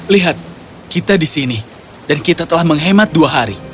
lihat kita di sini dan kita telah menghemat dua hari